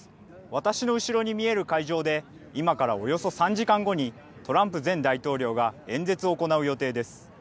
私の後ろに見える会場で、今からおよそ３時間後にトランプ前大統領が演説を行う予定です。